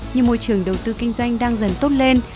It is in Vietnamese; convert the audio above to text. nhưng môi trường đầu tư kinh doanh đang dần tốt lên